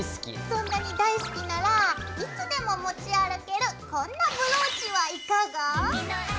そんなに大好きならいつでも持ち歩けるこんなブローチはいかが？